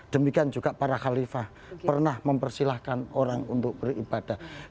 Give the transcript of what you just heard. demikian juga para khalifah pernah mempersilahkan orang untuk beribadah